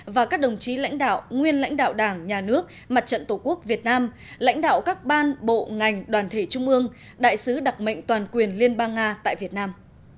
và các đồng chí lãnh đạo nguyên lãnh đạo đảng nhà nước mặt trận tổ quốc việt nam lãnh đạo các ban bộ ngành đoàn thể trung ương đại sứ đặc mệnh toàn quyền liên bang nga tại việt nam